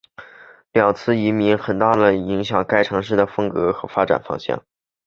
两次移民潮很大的影响了该市的风格和发展方向。